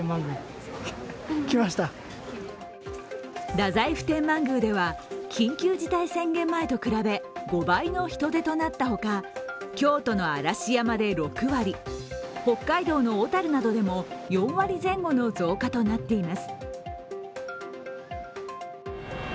太宰府天満宮では、緊急事態宣言前と比べ５倍の人出となったほか京都の嵐山で６割北海道の小樽などでも４割前後の増加となっています。